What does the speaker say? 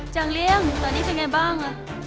จังเลี่ยงตอนนี้เป็นไงบ้าง